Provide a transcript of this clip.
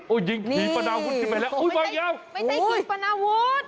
โอ้ยยิงผีประนาวุฒิไปแล้วไม่ใช่ผีประนาวุฒิ